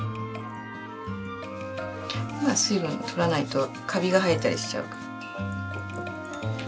まあ水分取らないとカビが生えたりしちゃうから。